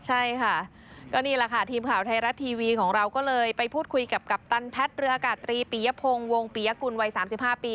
ใช่ค่ะก็นี่แหละค่ะทีมข่าวไทยรัฐทีวีของเราก็เลยไปพูดคุยกับกัปตันแพทย์เรืออากาศตรีปียพงศ์วงปียกุลวัย๓๕ปี